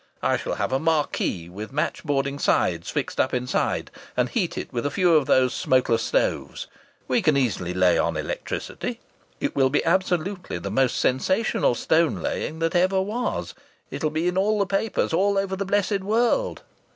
I shall have a marquee with matchboarding sides fixed up inside, and heat it with a few of those smokeless stoves. We can easily lay on electricity. It will be absolutely the most sensational stone laying that ever was. It'll be in all the papers all over the blessed world.